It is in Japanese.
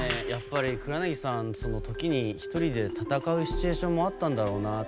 黒柳さんは時に１人で戦うシチュエーションもあったんだろうなと。